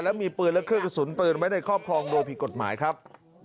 และมีปืนและเครื่องกระสุนปืนไว้ในครอบครองโดยผิดกฎหมายครับ